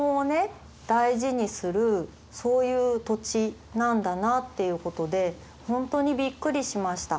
大事にするそういう土地なんだなっていうことで本当にびっくりしました。